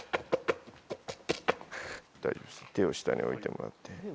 大丈夫です手を下に置いてもらって。